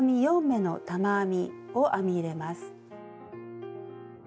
４目の玉編みを編み入れます。